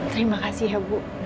terima kasih ya bu